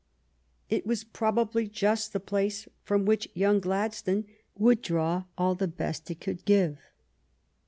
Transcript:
It was probably just the place from which young Gladstone would draw all the best it could give.